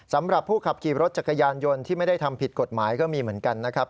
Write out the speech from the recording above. สำหรับผู้ขับขี่รถจักรยานยนต์ที่ไม่ได้ทำผิดกฎหมายก็มีเหมือนกันนะครับ